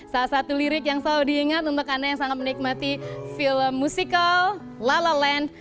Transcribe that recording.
salah satu lirik yang selalu diingat untuk anda yang sangat menikmati film musikal lala land